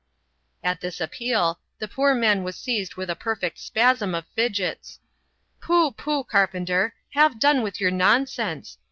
At this appeal, the poor man was seized with a perfect spasm of fidgets. " Pooh, pooh, carpenter ; have done with your nonsense